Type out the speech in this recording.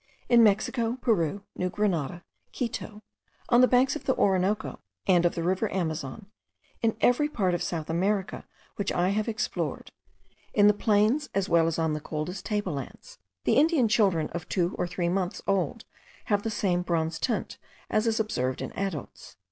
In Mexico, Peru, New Grenada, Quito, on the banks of the Orinoco and of the river Amazon, in every part of South America which I have explored, in the plains as well as on the coldest table lands, the Indian children of two or three months old have the same bronze tint as is observed in adults.